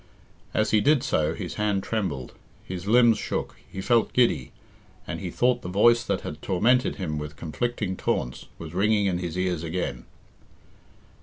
As he did so his hand trembled, his limbs shook, he felt giddy, and he thought the voice that had tormented him with conflicting taunts was ringing in his ears again.